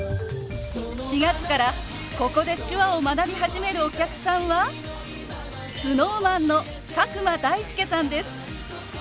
４月からここで手話を学び始めるお客さんはＳｎｏｗＭａｎの佐久間大介さんです。